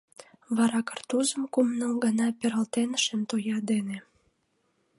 Вара картузым кум-ныл гана пералтем шем тоя дене.